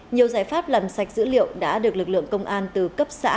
nhiều giải pháp làm sạch dữ liệu đã được lực lượng công an từ cấp xã